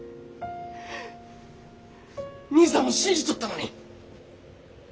兄さんを信じとったのに。